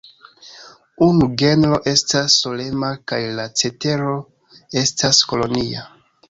Unu genro estas solema kaj la cetero estas kolonia.